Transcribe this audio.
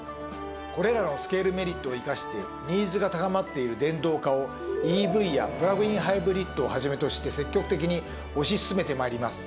これらのスケールメリットを生かしてニーズが高まっている電動化をＥＶやプラグインハイブリッドを始めとして積極的に推し進めて参ります。